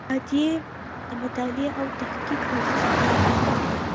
عطایي د مطالعې او تحقیق ارزښت بیان کړی دی.